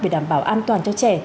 để đảm bảo an toàn cho trẻ